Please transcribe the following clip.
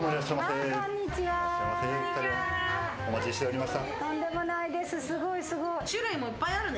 お待ちしておりました。